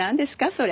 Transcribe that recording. それ。